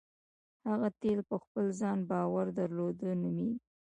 هغه تیل په خپل ځان باور درلودل نومېږي.